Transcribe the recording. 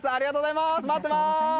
待っています！